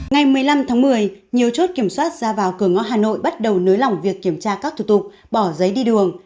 ngày một mươi năm tháng một mươi nhiều chốt kiểm soát ra vào cửa ngõ hà nội bắt đầu nới lỏng việc kiểm tra các thủ tục bỏ giấy đi đường